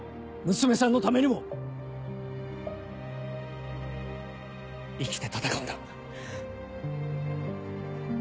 ・娘さんのためにも生きて戦うんだ。